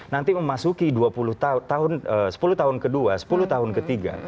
nanti memasuki sepuluh tahun ke dua sepuluh tahun ke tiga